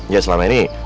ya selama ini